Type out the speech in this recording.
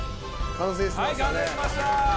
完成しました！